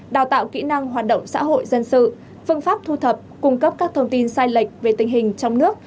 đào tạo kỹ năng hoạt động xã hội dân sự phương pháp thu thập cung cấp các thông tin sai lệch về tình hình trong nước